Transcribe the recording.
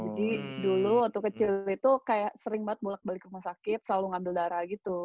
jadi dulu waktu kecil itu kayak sering banget bolak balik ke rumah sakit selalu ngambil darah gitu